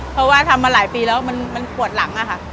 เพราะว่าทำมาหลายปีแล้วมันปวดหลังอะค่ะ